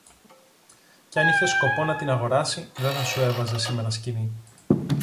Και αν είχε σκοπό να την αγοράσει, δε θα σου έβαζε σήμερα σκοινί